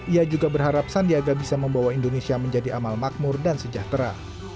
ia juga berharap sandiaga bisa membawa indonesia menjadi amal makmur dan sejahtera